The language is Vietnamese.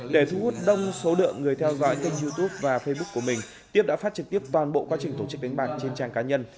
để thu hút đông số lượng người theo dõi kênh youtube và facebook của mình tiếp đã phát trực tiếp toàn bộ quá trình tổ chức đánh bạc trên trang cá nhân